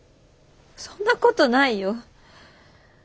そんなことないよ。